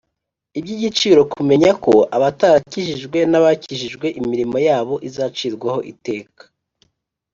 iby'igiciro kumenya ko abatarakijijwe n'abakijijwe imirimo yabo izacirwaho iteka.